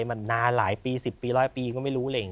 มานานหลายปี๑๐ปี๑๐๐ปีก็ไม่รู้